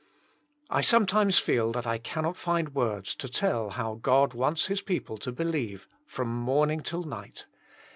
I sometimes feel that I cannot find words to tell how Grod wants His people to believe from morning till night.